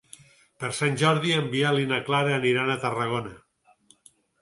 Per Sant Jordi en Biel i na Clara aniran a Tarragona.